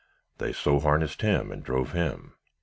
They so harnessed him and drove him.